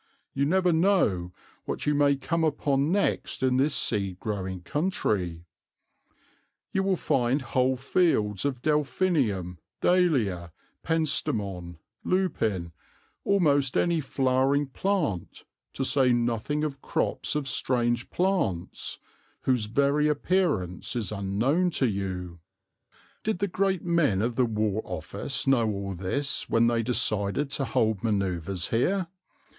You never know what you may come upon next in this seed growing country. You will find whole fields of Delphinium, Dahlia, Penstemon, Lupin, almost any flowering plant, to say nothing of crops of strange plants, whose very appearance is unknown to you." Author. "Did the great men of the War Office know all this when they decided to hold manoeuvres here?